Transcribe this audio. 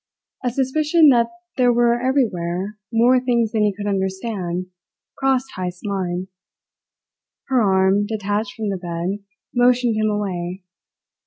A suspicion that there were everywhere more things than he could understand crossed Heyst's mind. Her arm, detached from the bed, motioned him away.